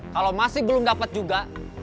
kalau masih belum dapat juga